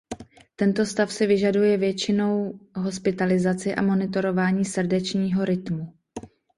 Tento stav si vyžaduje většinou hospitalizaci a monitorování srdečního rytmu.